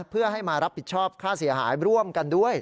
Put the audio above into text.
เพื่อให้มารับผิดชอบค่าเสียหายร่วมกันด้วย